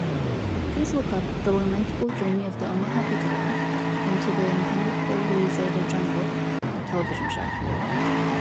Please look up The Lamentable Journey of Omaha Bigelow into the Impenetrable Loisaida Jungle television show.